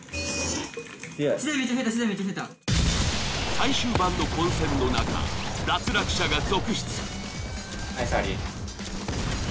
最終盤の混戦のなか脱落者が続出。